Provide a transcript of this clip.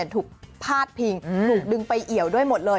ถูกพาดพิงถูกดึงไปเอี่ยวด้วยหมดเลย